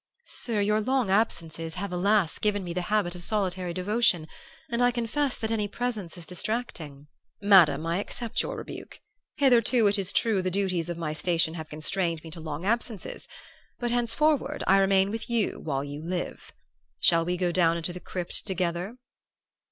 "'Sir, your long absences have, alas! given me the habit of solitary devotion, and I confess that any presence is distracting.' "'Madam, I accept your rebuke. Hitherto, it is true, the duties of my station have constrained me to long absences; but henceforward I remain with you while you live. Shall we go down into the crypt together?"